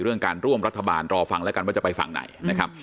เรื่องการร่วมรัฐบาลรอฟังแล้วกันว่าจะไปฝั่งไหนนะครับ